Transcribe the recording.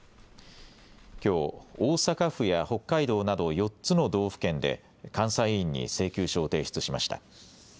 きょう大阪府や北海道など４つの道府県で監査委員に請求書を提出しました。